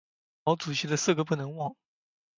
毛主席的四个不能忘！